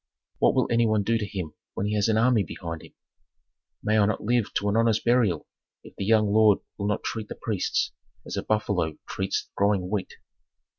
"What will any one do to him when he has an army behind him? May I not live to an honest burial if the young lord will not treat the priests as a buffalo treats growing wheat."